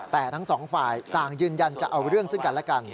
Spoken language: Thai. แต่ทั้งสองฝ่ายต่างยืนยันจะเอาเรื่องซึ่งกันและกัน